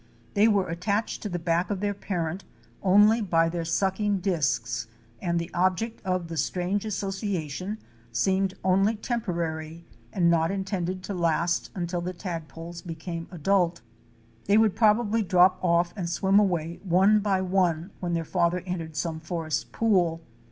They were attached to the back of their parent only by their sucking disks, and the object of the strange association seemed only temporary and not intended to last until the tadpoles became adult. They would probably drop off and swim away one by one when their father entered some forest pool.